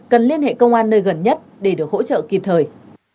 cần liên hệ công an nơi gần nhất để được hỗ trợ kịp thời